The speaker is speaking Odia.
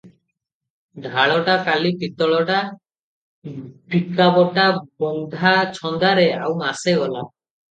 ଢାଳଟା କାଲି ପିତ୍ତଳଟା ବିକାବଟା ବନ୍ଧାଛନ୍ଦାରେ ଆଉ ମାସେ ଗଲା ।